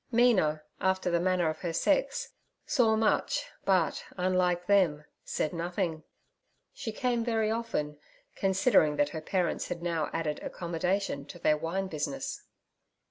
Mina, after the manner of her sex, saw much, but, unlike them, said nothing. She came very often, considering that her parents had now added 'accommodation' to their wine business.